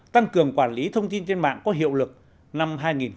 tăng cường quản lý thông tin trên mạng có hiệu lực năm hai nghìn một mươi chín